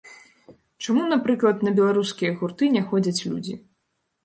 Чаму, напрыклад, на беларускія гурты не ходзяць людзі?